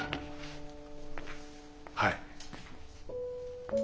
はい。